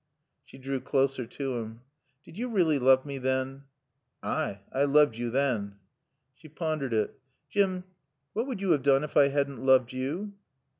She drew closer to him. "Did you really love me then?" "Ay I looved yo than." She pondered it. "Jim what would you have done if I hadn't loved you?"